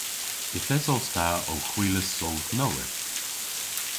Yth esos ta ow hwilas soodh nowydh.